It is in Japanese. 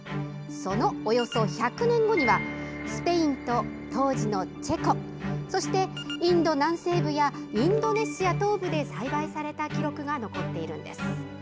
そのおよそ１００年後にはスペインと当時のチェコそしてインド南西部やインドネシア東部で栽培された記録が残っているんです。